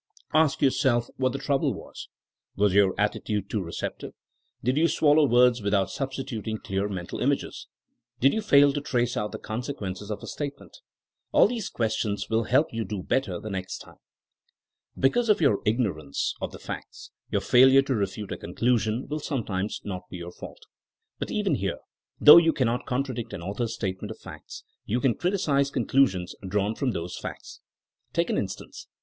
Ask yourself what the trouble was. Was your attitude too receptive J Did yotl swal low words without substituting clear mental images 1 Did you fail to trace out the conse quences of a statement! AJl these questions will help you do better the next time. Because of your ignorance of the facts, your failure to refute a conclusion will sometimes not be your fault. But even here, though you cannot contradict an author *s statement of facts, you can criticise conclusions drawn from those facts. Take an instance.